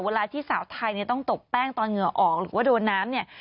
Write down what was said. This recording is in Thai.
เวลาที่สาวไทยเนี่ยต้องตบแป้งตอนเหงื่อออกหรือว่าโดนน้ำเนี่ย